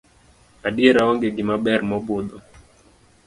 Adiera onge gima ber mabudho.